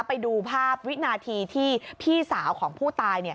ไปดูภาพวินาทีที่พี่สาวของผู้ตาย